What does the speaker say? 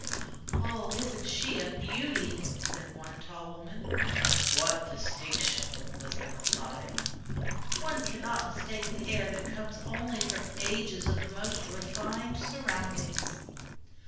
"Oh, isn't she a beauty!" said one tall woman. "What distinction!" was the reply. "One cannot mistake the air that comes only from ages of the most refined surroundings."